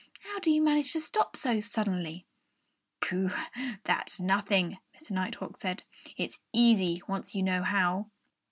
How do you manage to stop so suddenly?" "Pooh! That's nothing!" Mr. Nighthawk said. "It's easy, once you know how."